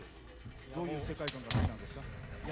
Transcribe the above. どういう世界観が好きなんですか？